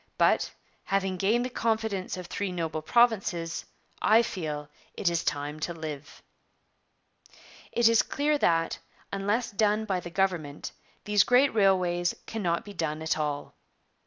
But, having gained the confidence of three noble provinces, I feel it is time to live.' 'It is clear that, unless done by the government, these great railways cannot be done at all.